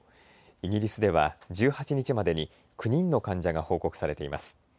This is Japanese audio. イギリスでは１８日までに９人の患者が報告されています。